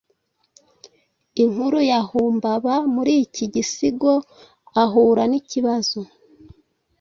inkuru ya Humbaba Muri iki gisigoahura nikibazo